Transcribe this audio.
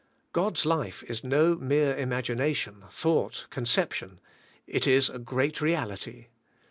God's life is no mere imag"ination, thoug ht, conception; it is a great reality.